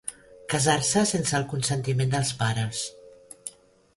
Casar-se sense el consentiment dels pares.